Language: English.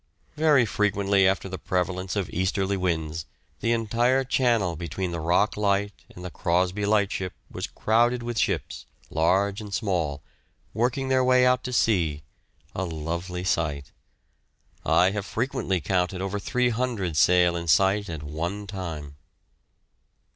Very frequently after the prevalence of easterly winds, the entire channel between the Rock Light and the Crosby Lightship was crowded with ships, large and small, working their way out to sea a lovely sight. I have frequently counted over 300 sail in sight at one time.